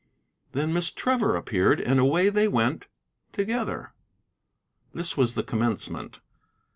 Then Miss Trevor appeared, and away they went together. This was the commencement.